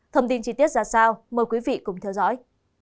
thông tin chi tiết ra sao mời quý vị cùng theo dõi